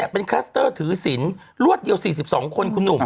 เป็นคลัสเตอร์ถือศิลป์รวดเดียว๔๒คนคุณหนุ่ม